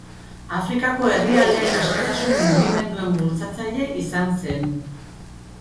Afrikako herrialdeen askatasun-mugimenduen bultzatzaile izan zen.